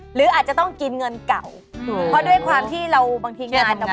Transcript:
หรืออาจจะต้องกินเงินเก่าเพราะด้วยความที่เราบางทีงานอ่ะ